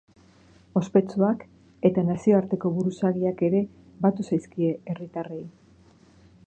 Ospetsuak eta nazioarteko buruzagiak ere batu zaizkie herritarrei.